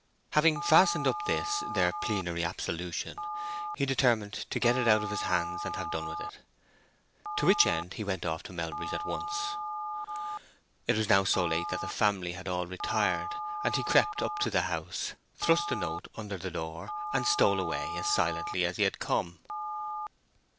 Having fastened up this their plenary absolution, he determined to get it out of his hands and have done with it; to which end he went off to Melbury's at once. It was now so late that the family had all retired; he crept up to the house, thrust the note under the door, and stole away as silently as he had come.